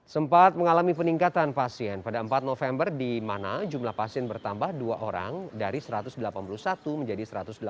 sempat mengalami peningkatan pasien pada empat november di mana jumlah pasien bertambah dua orang dari satu ratus delapan puluh satu menjadi satu ratus delapan puluh